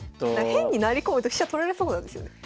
変に成り込むと飛車取られそうなんですよね。